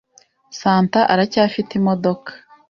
Santa aracyafite imodoka